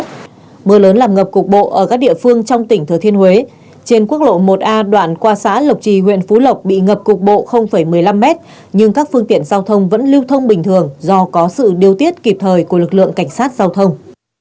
tỉnh quảng bình có mưa to khiến nhiều tuyến đường làm ngập cục bộ ở các địa phương trong tỉnh thừa thiên huế trên quốc lộ một a đoạn qua xã lộc trì huyện phú lộc bị ngập cục bộ một mươi năm m nhưng các phương tiện giao thông vẫn lưu thông bình thường do có sự điều tiết kịp thời của lực lượng cảnh sát giao thông